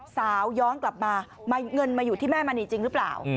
ย้อนกลับมาเงินมาอยู่ที่แม่มณีจริงหรือเปล่า